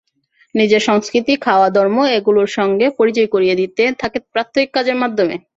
নিজেদের সংস্কৃতি, খাওয়া, ধর্ম—এগুলোর সঙ্গে পরিচয় করিয়ে দিতে থাকে প্রাত্যহিক কাজের মাধ্যমে।